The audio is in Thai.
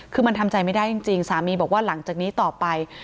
คือมันทำใจไม่ได้จริงสามีบอกว่าหลังจากนี้ต่อไป